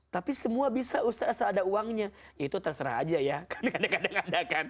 tapi semua bisa ustaz asal ada uangnya itu terserah aja ya kadang kadang ada kan